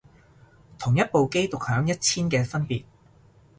同一部機獨享一千嘅分別